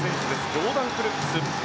ジョーダン・クルックス。